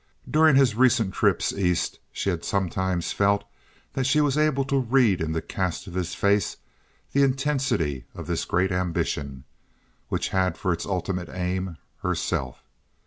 During his recent trips East she had sometimes felt that she was able to read in the cast of his face the intensity of this great ambition, which had for its ultimate aim—herself.